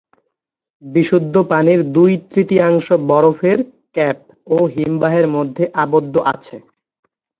বিশুদ্ধ পানির দুই-তৃতীয়াংশ বরফের ক্যাপ ও হিমবাহের মধ্যে আবদ্ধ আছে।